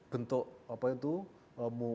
bentuk apa itu